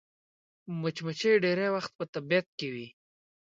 مچمچۍ ډېری وخت په طبیعت کې وي